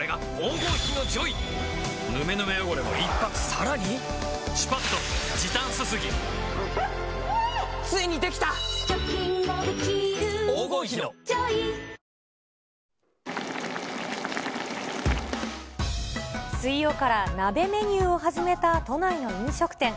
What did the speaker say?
三菱電機水曜から鍋メニューを始めた都内の飲食店。